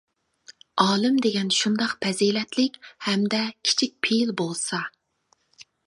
ئالىم دېگەن شۇنداق پەزىلەتلىك ھەمدە كىچىك پېئىل بولسا.